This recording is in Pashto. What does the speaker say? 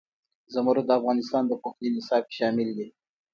زمرد د افغانستان د پوهنې نصاب کې شامل دي.